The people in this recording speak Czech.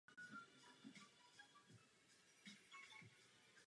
Jeho další kroky vedly na Britské ostrovy.